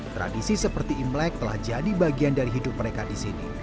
tradisi seperti imlek telah jadi bagian dari hidup mereka di sini